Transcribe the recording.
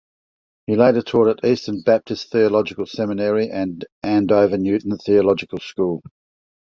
He later taught at Eastern Baptist Theological Seminary and Andover Newton Theological School.